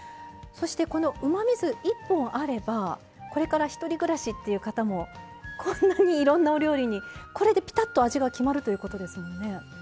そしてこのうまみ酢１本あればこれから１人暮らしっていう方もこんなにいろんなお料理にこれでピタッと味が決まるということですもんね。